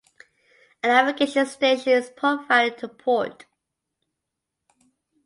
A navigation station is provided to port.